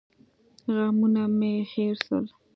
غمونه مې هېر سول.